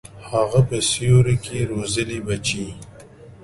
هغه په سیوري کي روزلي بچي